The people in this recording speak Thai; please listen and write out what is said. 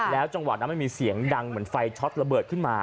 จังหวะนั้นมันมีเสียงดังเหมือนไฟช็อตระเบิดขึ้นมา